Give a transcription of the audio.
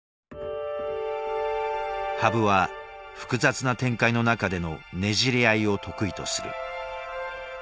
羽生は複雑な展開の中でのねじり合いを得意とする。